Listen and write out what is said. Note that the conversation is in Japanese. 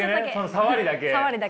さわりだけ。